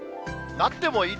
なってもいい？